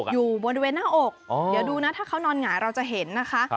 อยู่บริเวณหน้าอกเดี๋ยวดูนะถ้าเขานอนหงายเราจะเห็นนะคะ